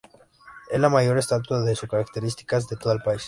Es la mayor estatua de sus características de todo el país.